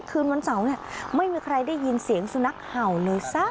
คืนวันเสาร์เนี่ยไม่มีใครได้ยินเสียงสุนัขเห่าเลยซะ